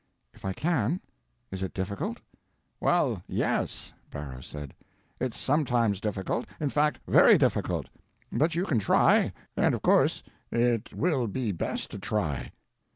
"If I can? Is it difficult?" "Well, Yes," Barrow said, "it's sometimes difficult—in fact, very difficult. But you can try, and of course it will be best to try."